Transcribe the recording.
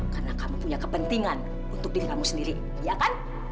karena kamu punya kepentingan untuk diri kamu sendiri iya kan